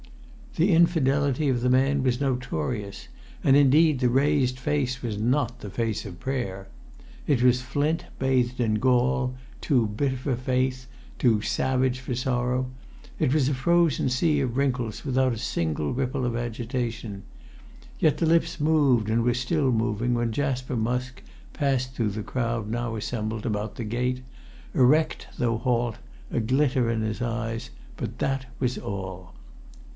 The infidelity of the man was notorious, and, indeed, the raised face was not the face of prayer. It was flint bathed in gall, too bitter for faith, too savage for sorrow; it was a frozen sea of wrinkles without a single ripple of agitation. Yet the lips moved, and were still moving when Jasper Musk passed through the crowd now assembled about the gate, erect though halt, a glitter in his eyes, but that was all.